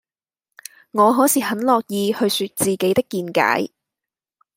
我可是很樂意去說自己的見解